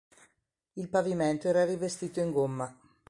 Il pavimento era rivestito in gomma.